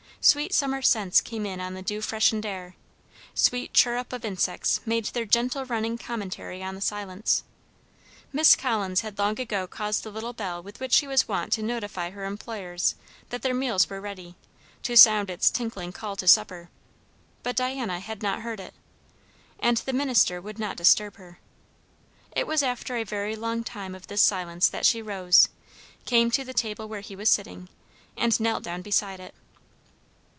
Sweet summer scents came in on the dew freshened air; sweet chirrup of insects made their gentle running commentary on the silence; Miss Collins had long ago caused the little bell with which she was wont to notify her employers that their meals were ready, to sound its tinkling call to supper; but Diana had not heard it, and the minister would not disturb her. It was after a very long time of this silence that she rose, came to the table where he was sitting, and knelt down beside it.